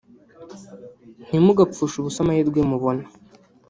ntimugapfushe ubusa amahirwe mubona